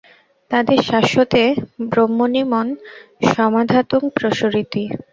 তদেব শাশ্বতে ব্রহ্মণি মন সমাধাতুং প্রসরতি।